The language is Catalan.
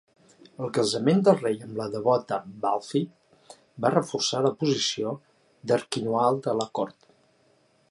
El casament del rei amb la devota Balthild fa reforçar la posició d'Erquinoald a la cort.